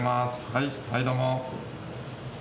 はい、どうも。